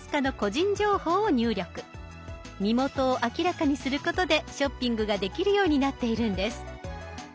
身元を明らかにすることでショッピングができるようになっているんです。